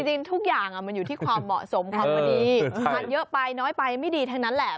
จริงทุกอย่างมันอยู่ที่ความเหมาะสมความพอดีทานเยอะไปน้อยไปไม่ดีทั้งนั้นแหละ